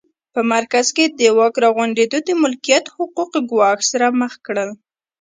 په مرکز کې د واک راغونډېدو د ملکیت حقوق ګواښ سره مخ کړل